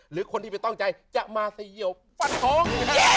หรือคนที่เป็นต้องใจจะมาเสี่ยวฟันธง